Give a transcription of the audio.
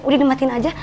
udah dimatin aja